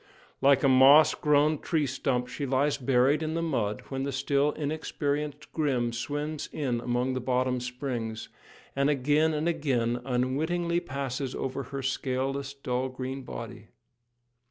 Like a moss grown tree stump she lies buried in the mud when the still inexperienced Grim swims in among the bottom springs, and again and again unwittingly passes over her scaleless, dull green body.